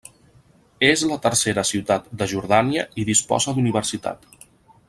És la tercera ciutat de Jordània i disposa d'universitat.